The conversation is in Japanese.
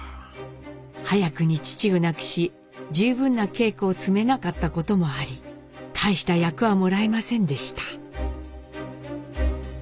早くに父を亡くし十分な稽古を積めなかったこともあり大した役はもらえませんでした。